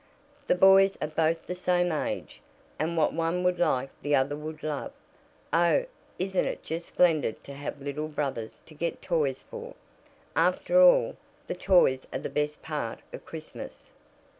"The boys are both the same age, and what one would like the other would love. Oh, isn't it just splendid to have little brothers to get toys for? After all, the toys are the best part of Christmas."